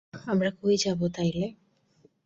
আমরা কই যাবো তাইলে?